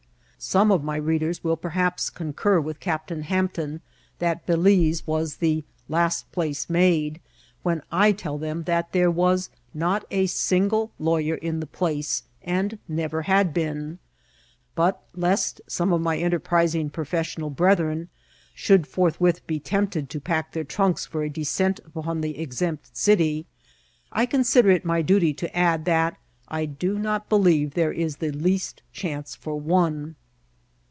Some of my readers will per haps concur with Captain Hampton, that Balize was Vol. I.— C 18 INCIDENTS OF TRATBL. the last place made, when I tell them that there was not a single lawyer in the place, and never had been ; bnt, lest some of my enterprising professional brethren should forthwith be tempted to pack their tmnks for a descent upon the exempt city, I consider it my duty to add that I do not believe there is the least chance for one.